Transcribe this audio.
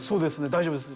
大丈夫です。